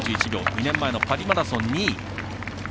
２年前のパリマラソン２位。